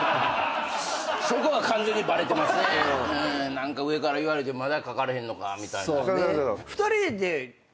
何か上から言われてまだ書かれへんのかみたいな。